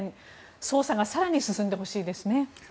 捜査が更に進んでほしいですね。